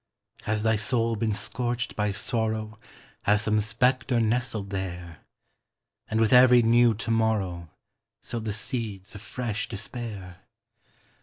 Has thy soul been scorched by sorrow, Has some spectre nestled there? And with every new to morrow, Sowed the seeds of fresh despair?